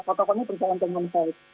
protokolnya berjalan dengan baik